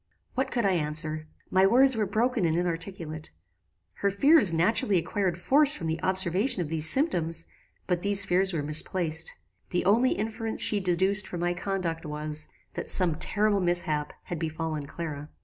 "What could I answer? My words were broken and inarticulate. Her fears naturally acquired force from the observation of these symptoms; but these fears were misplaced. The only inference she deduced from my conduct was, that some terrible mishap had befallen Clara.